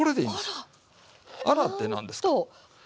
「あら」って何です？